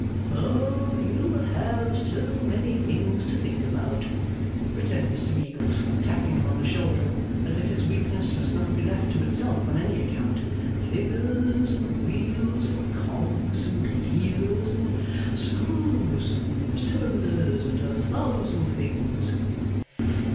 'Oh! You have so many things to think about,' returned Mr Meagles, clapping him on the shoulder, as if his weakness must not be left to itself on any account. 'Figures, and wheels, and cogs, and levers, and screws, and cylinders, and a thousand things.